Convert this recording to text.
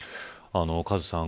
カズさん